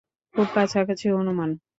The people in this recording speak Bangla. খুব কাছাকাছি অনুমান।